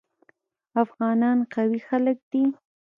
افغانان قوي خلک دي.